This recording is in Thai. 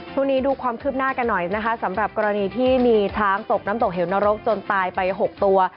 ดูความคืบหน้ากันหน่อยนะคะสำหรับกรณีที่มีช้างตกน้ำตกเหวนรกจนตายไป๖ตัว